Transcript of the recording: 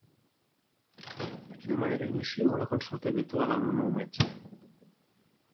De quina manera inicio una consulta virtual amb el meu metge?